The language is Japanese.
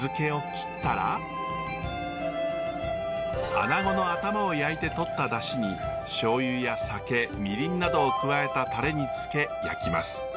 アナゴの頭を焼いてとったダシにしょうゆや酒みりんなどを加えたタレにつけ焼きます。